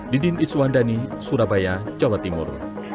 didin iswandani surabaya jawa timur